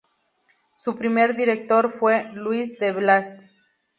Su primer director fue Luis de Blas.